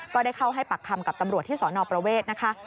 ก็ได้เข้าให้ปากคำกับตำรวจที่สนประเวทนะคะ